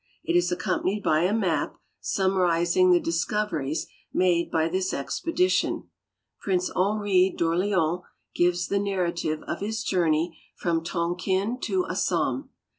It is accomi)anied by a map summarizing the discoveries maile by this exj)edition. Prince Henri d'Orleaus gives the narrative of his jouniey from Tonkin to .Assam.